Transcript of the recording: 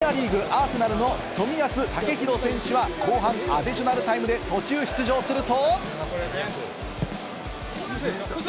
一方、プレミアリーグ、アーセナルの冨安健洋選手は後半アディショナルタイムで途中出場すると。